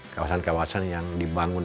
kawasan kawasan yang dibangun